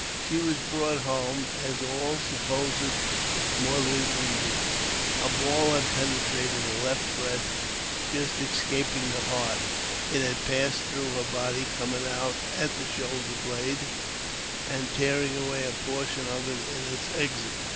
She was brought home, as all supposed, mortally wounded. A ball had penetrated her left breast, just escaping the heart; it had passed through her body, coming out at the shoulder blade, and tearing away a portion of it in its exit.